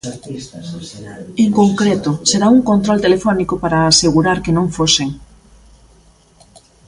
En concreto, será un control telefónico para asegurar que non foxen.